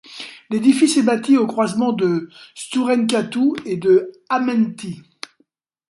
L'édifice est bâti au croisement de Sturenkatu et de Hämeentie.